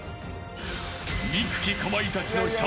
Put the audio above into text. ［憎きかまいたちの］